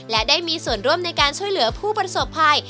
และได้มีส่วนร่วมในการช่วยเหลือผู้ประสบภัย